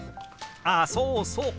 あそうそう。